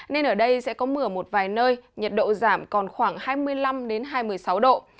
nên ở đây sẽ có mưa ở một vài nơi nhiệt độ giảm còn khoảng hai mươi năm hai mươi sáu độ